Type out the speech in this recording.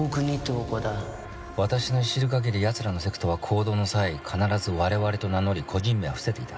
私の知る限り奴らのセクトは行動の際必ず「我々」と名乗り個人名は伏せていた。